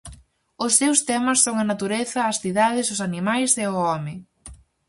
Os seus temas son a natureza, as cidades, os animais e o home.